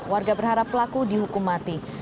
warga berharap pelaku dihukum mati